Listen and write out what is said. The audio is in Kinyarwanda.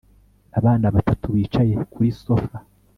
Abana batatu bicaye kuri sofa